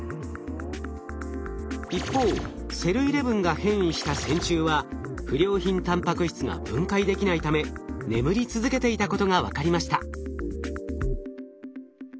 一方ｓｅｌー１１が変異した線虫は不良品タンパク質が分解できないため眠り続けていたことが分かりました。